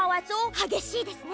はげしいですね！